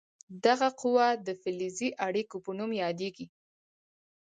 دغه قوه د فلزي اړیکې په نوم یادیږي.